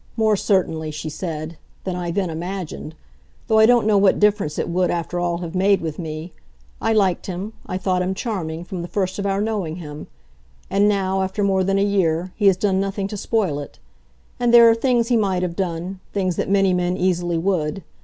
More, certainly," she said, "than I then imagined though I don't know what difference it would after all have made with me. I liked him, I thought him charming, from the first of our knowing him; and now, after more than a year, he has done nothing to spoil it. And there are things he might have done things that many men easily would.